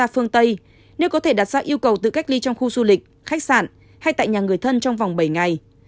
phương tây nếu có thể đặt ra yêu cầu tự cách ly trong khu du lịch khách sạn hay tại nhà người thân trong vòng bảy ngày